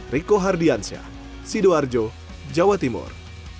riko hardiansyah sidoarjo jawa timur